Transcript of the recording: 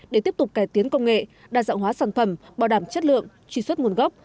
để tiếp tục cải tiến công nghệ đa dạng hóa sản phẩm bảo đảm chất lượng truy xuất nguồn gốc